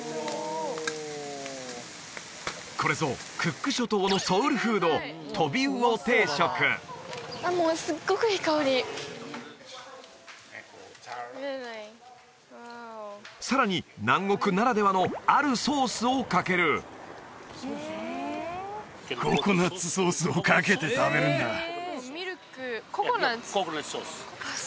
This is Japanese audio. これぞクック諸島のソウルフードトビウオ定食あっもうすっごくいい香りさらに南国ならではのあるソースをかけるココナッツソースをかけて食べるんだミルクココナッツ？